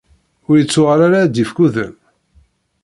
Ur ittuɣal ara ad d-ifk udem?